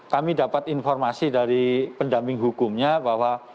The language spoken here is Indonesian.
kami dapat informasi dari pendamping hukumnya bahwa